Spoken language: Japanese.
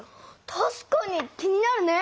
たしかに気になるね！